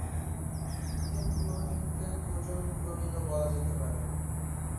কৃত্রিম ক্লোনিংকে প্রজনন ক্লোনিংও বলা যেতে পারে।